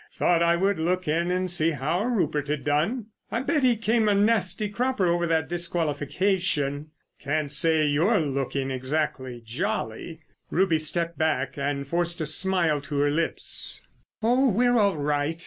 Thought I would look in and see how Rupert had done. I bet he came a nasty cropper over that disqualification. Can't say you're looking exactly jolly." Ruby stepped back and forced a smile to her lips. "Oh, we're all right!"